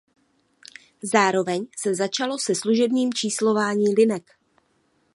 Zároveň se začalo se služebním číslování linek.